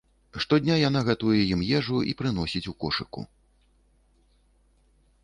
Штодня яна гатуе ім ежу і прыносіць ў кошыку.